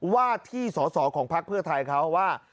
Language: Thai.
ว่าที่สอสอของพักเพื่อไทยเขาว่า